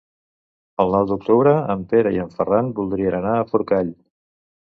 El nou d'octubre en Pere i en Ferran voldrien anar a Forcall.